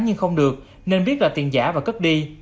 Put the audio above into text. nhưng không được nên biết là tiền giả và cất đi